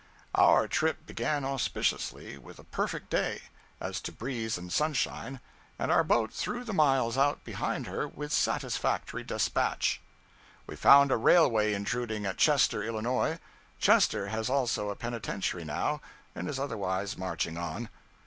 Our trip began auspiciously, with a perfect day, as to breeze and sunshine, and our boat threw the miles out behind her with satisfactory despatch. We found a railway intruding at Chester, Illinois; Chester has also a penitentiary now, and is otherwise marching on.